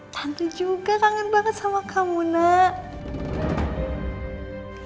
tante juga kangen banget sama kamu nak